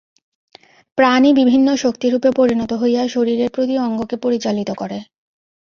প্রাণই বিভিন্ন শক্তিরূপে পরিণত হইয়া শরীরের প্রতি অঙ্গকে পরিচালিত করে।